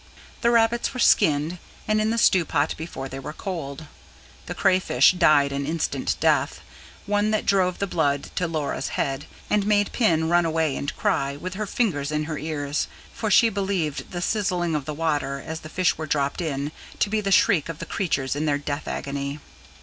The rabbits were skinned and in the stew pot before they were cold; the crayfish died an instant death: one that drove the blood to Laura's head, and made Pin run away and cry, with her fingers to her ears; for she believed the sizzling of the water, as the fish were dropped in, to be the shriek of the creatures in their death agony.